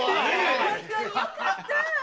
本当によかった！